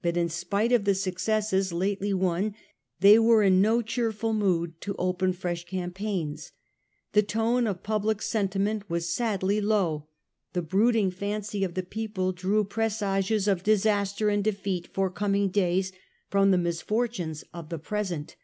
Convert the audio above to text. But in spite of the successes lately won Snperors they were in no cheerful mood to open fresh {o^the campaigns. The tone of public sentiment was northern sadly low ; the brooding fancy of the people frontier, drew presages of disaster and defeat for coming days from the misfortunes of the present.